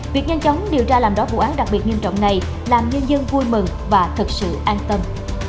việc nhanh chóng điều tra làm rõ vụ án đặc biệt nghiêm trọng này làm nhân dân vui mừng và thật sự an tâm